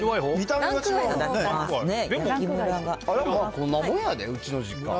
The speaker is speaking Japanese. こんなもんやで、うちの実家。